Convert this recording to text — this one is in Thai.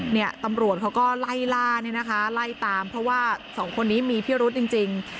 เนี่ยตำรวจเขาก็ไล่ล่าเนี่ยนะคะไล่ตามเพราะว่าสองคนนี้มีพิรุษจริง